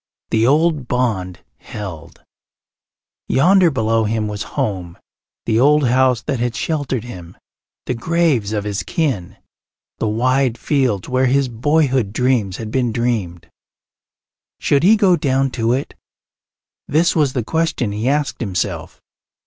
The old bond held. Yonder below him was home the old house that had sheltered him, the graves of his kin, the wide fields where his boyhood dreams had been dreamed. Should he go down to it? This was the question he asked himself.